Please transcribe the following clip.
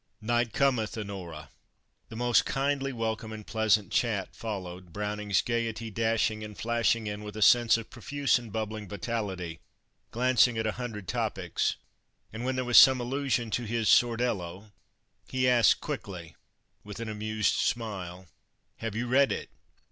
'Night cometh, Onora!'" The most kindly welcome and pleasant chat followed, Browning's gayety dashing and flashing in, with a sense of profuse and bubbling vitality, glancing at a hundred topics; and when there was some allusion to his "Sordello," he asked, quickly, with an amused smile, "Have you read it?"